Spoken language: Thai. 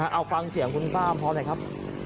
นะฮะเอาฟังเสียงคุณซ่ามพอเลยครับ